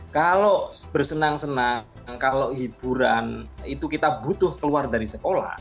kalau bersenang senang kalau hiburan itu kita butuh keluar dari sekolah